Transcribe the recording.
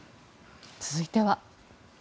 続いては。